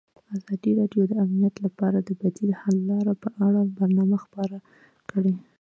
ازادي راډیو د امنیت لپاره د بدیل حل لارې په اړه برنامه خپاره کړې.